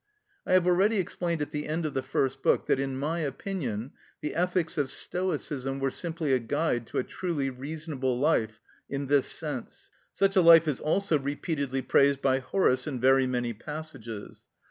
I have already explained at the end of the first book that in my opinion the ethics of Stoicism were simply a guide to a truly reasonable life, in this sense. Such a life is also repeatedly praised by Horace in very many passages.